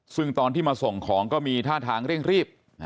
ซึ่งตอนที่มาส่งของก็มีท่าทางเร่งรีบ